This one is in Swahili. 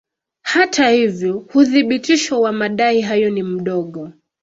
Hata hivyo uthibitisho wa madai hayo ni mdogo.